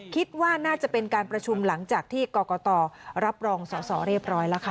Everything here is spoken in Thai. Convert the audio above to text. คิดว่าน่าจะเป็นการประชุมหลังจากที่กรกตรับรองสอสอเรียบร้อยแล้วค่ะ